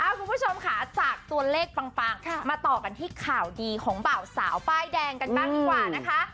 คุณผู้ชมค่ะจากตัวเลขปังมาต่อกันที่ข่าวดีของบ่าวสาวป้ายแดงกันบ้างดีกว่านะคะ